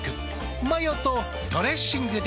マヨとドレッシングで。